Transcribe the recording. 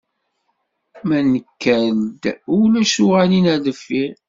Ma nekker-d ulac tuɣalin ar deffir.